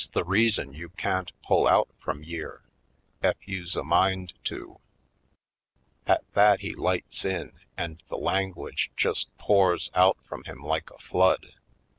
Poindexterj Colored the reason you can't pull out frum yere, ef you's a mind to?" At that he lights in and the language just pours out from him like a flood.